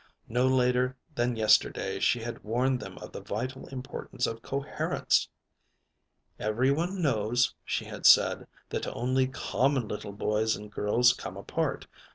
No later than yesterday she had warned them of the vital importance of coherence. "Every one knows," she had said, "that only common little boys and girls come apart.